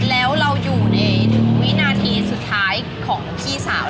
แล้วเราอยู่ในวินาทีสุดท้ายของพี่สาว